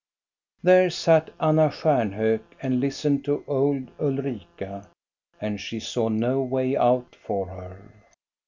There sat Anna Stjarnhok and listened to old Ulrika, and she saw no way out for her.